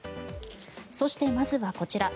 そして、まずはこちら。